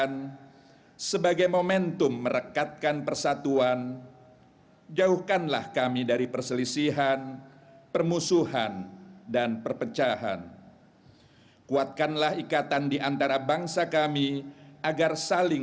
tanda kebesaran bukaan naskah proklamasi